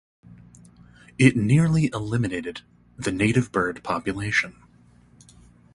It nearly eliminated the native bird population.